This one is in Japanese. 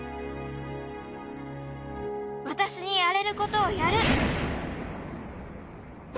私にやれることをやる